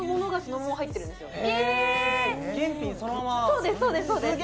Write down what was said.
そうです